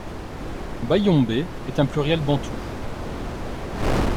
BaYombe est un pluriel bantou.